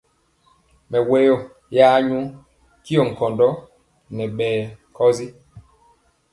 Mɛwɔyɔ ya nyɔ tyɔ nkɔndɔ nɛ ɓee nkɔsi.